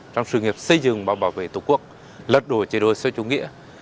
trong sự nghiệp xây dựng và bảo vệ tổ quốc lật đổi chế đội xã chủ nghĩa